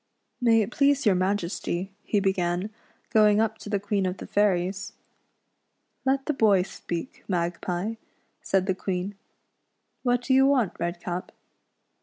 "May it please your Majesty," he began, going up to the Queen of the Fairies. " Let the boy speak, Magpie," said the Queen ; "what do you want. Redcap